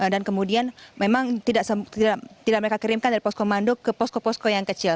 kemudian memang tidak mereka kirimkan dari poskomando ke posko posko yang kecil